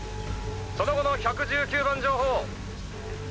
その後の１１９番情報。